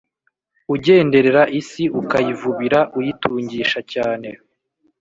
Ugenderera isi ukayivubira uyitungisha cyane